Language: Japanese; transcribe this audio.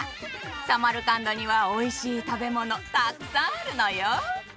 サマルカンドにはおいしい食べ物たっくさんあるのよ。